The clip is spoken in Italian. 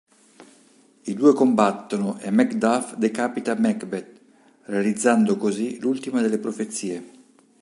I due combattono e MacDuff decapita Macbeth, realizzando così l'ultima delle profezie.